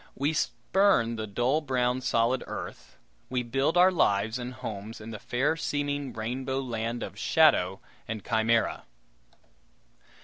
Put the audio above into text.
We spurn the dull brown solid earth; we build our lives and homes in the fair seeming rainbow land of shadow and chimera.